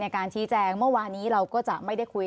การชี้แจงเมื่อวานี้เราก็จะไม่ได้คุย